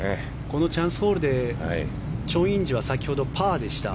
このチャンスホールでチョン・インジは先ほどパーでした。